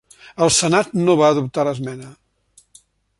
El senat no va adoptar l'esmena.